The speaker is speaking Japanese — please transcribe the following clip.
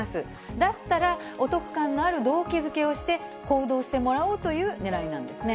だったら、お得感のある動機づけをして行動してもらおうというねらいなんですね。